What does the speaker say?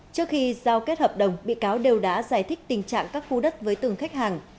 trước khi giao kết hợp đồng bị cáo đều đã giải thích tình trạng các khu đất với từng khách hàng